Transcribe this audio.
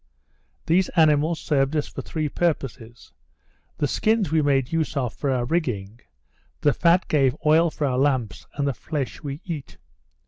These animals served us for three purposes; the skins we made use of for our rigging; the fat gave oil for our lamps; and the flesh we eat.